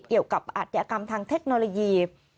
เกี่ยวกับอาจจะกรรมทางเทคโนโลยี